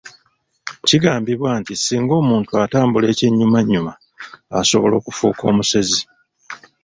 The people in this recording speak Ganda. Kigambibwa nti singa omuntu atambula ekyennyumannyuma asobola okufuuka omusezi.